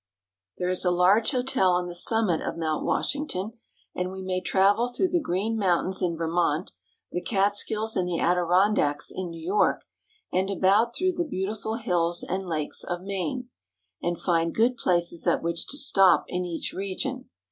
There is a large hotel on the summit of Mount Washing ton, and we may travel through the Green Mountains in Vermont, the Catskills and the Adi rondacks in New York, and about through the beautiful hills and lakes of Maine, and find good places at which to stop in each region.